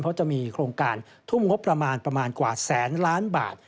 เพราะจะมีโครงการทุ่มงบประมาณประมาณกว่าแสนล้านบาท